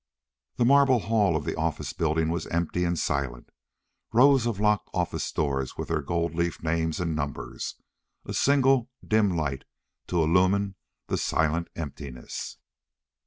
The marble hall of the office building was empty and silent. Rows of locked office doors with their gold leaf names and numbers. A single dim light to illumine the silent emptiness....